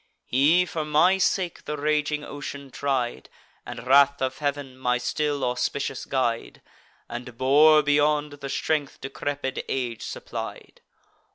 He, for my sake, the raging ocean tried, And wrath of Heav'n, my still auspicious guide, And bore beyond the strength decrepid age supplied.